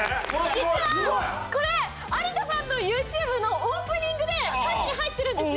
実はこれ有田さんのＹｏｕＴｕｂｅのオープニングで歌詞に入ってるんですよ。